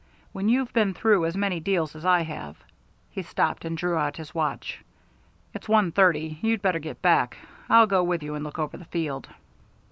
"When you've been through as many deals as I have" he stopped and drew out his watch. "It's one thirty. You'd better get back. I'll go with you and look over the field."